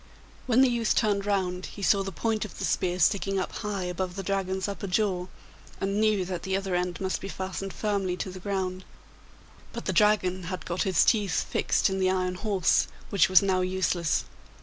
When the youth turned round he saw the point of the spear sticking up high above the Dragon's upper jaw, and knew that the other end must be fastened firmly to the ground; but the Dragon had got his teeth fixed in the iron horse, which was now useless.